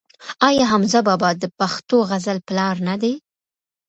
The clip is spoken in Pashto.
آیا حمزه بابا د پښتو غزل پلار نه دی؟